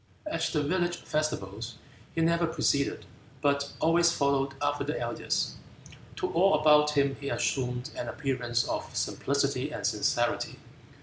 At the village festivals he never preceded, but always followed after the elders. To all about him he assumed an appearance of simplicity and sincerity.